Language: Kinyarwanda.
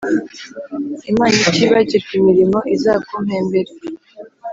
Imana itibagirwa imirimo izakumpembere